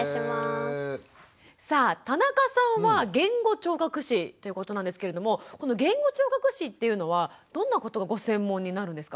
さあ田中さんは言語聴覚士ということなんですけれどもこの言語聴覚士っていうのはどんなことがご専門になるんですか？